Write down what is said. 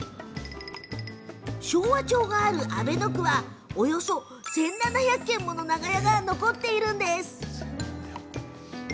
昭和町がある阿倍野区はおよそ１７００軒もの長屋が残っているんです。